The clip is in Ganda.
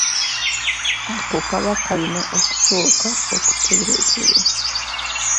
Ako kaba kalina okusooka okuterekebwa.